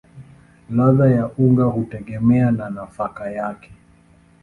Ladha ya unga hutegemea na nafaka yake.